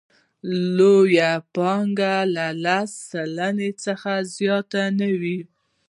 لوی پانګوال له لس سلنه څخه زیات نه وو